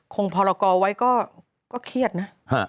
พรกรไว้ก็เครียดนะ